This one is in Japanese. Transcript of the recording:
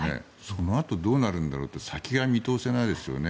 そのあとどうなるんだろうって先が見通せないですよね。